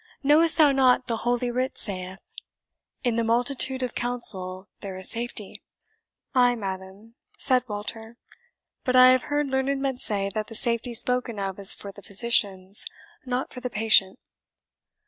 Knowest thou not the Holy Writ saith, 'In the multitude of counsel there is safety'?" "Ay, madam," said Walter; "but I have heard learned men say that the safety spoken of is for the physicians, not for the patient."